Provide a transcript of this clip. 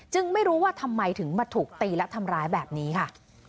ไม่รู้ว่าทำไมถึงมาถูกตีและทำร้ายแบบนี้ค่ะ